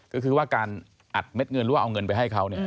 ก็คือว่าการอัดเม็ดเงินหรือว่าเอาเงินไปให้เขา